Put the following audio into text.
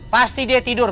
pasti dia tidur